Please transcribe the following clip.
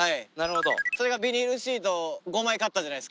それがビニールシート５枚買ったじゃないですか。